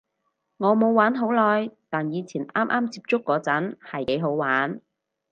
我冇玩好耐，但以前啱啱接觸嗰陣係幾好玩